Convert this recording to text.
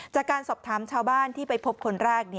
จากการสอบถามชาวบ้านที่ไปพบคนแรก